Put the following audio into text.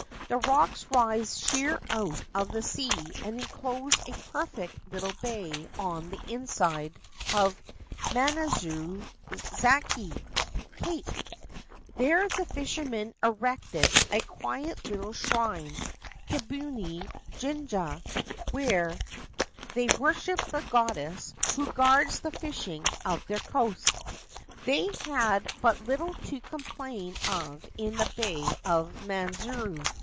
The rocks rise sheer out of the sea and enclose a perfect little bay on the inside of Manazuru Zaki (Cape). There the fishermen erected a quiet little shrine, * Kibune Jinja,' where they 341 Ancient Tales and Folklore of Japan worshipped the goddess who guards the fishing of their coast. They had but little to complain of in the Bay of Manazuru.